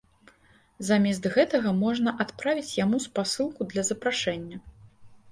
Замест гэтага можна адправіць яму спасылку для запрашэння.